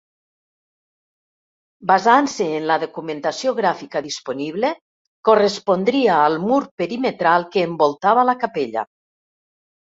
Basant-se en la documentació gràfica disponible, correspondria al mur perimetral que envoltava la capella.